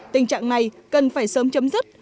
tình trạng này cần phải sớm chấm dứt